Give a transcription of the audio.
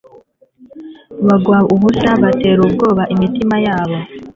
Bagwa ubusa butera ubwoba imitima yabo